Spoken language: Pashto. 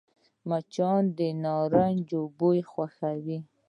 مچان د نارنج بوی خوښوي